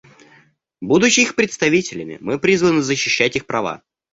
Будучи их представителями, мы призваны защищать их права.